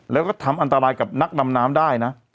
แล้วก็ทำอันตรายกับนักดำน้ำได้นะ